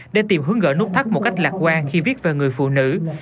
để tìm hướng gỡ nút thắt một cách lạc quan khi viết về người phụ nữ